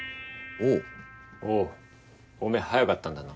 おうおめぇ早かったんだな。